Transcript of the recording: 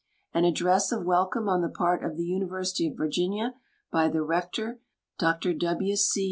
" An address of welcome on the part of the University of Virginia by the Rector, Dr W. C.